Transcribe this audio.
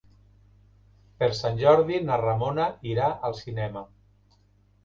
Per Sant Jordi na Ramona irà al cinema.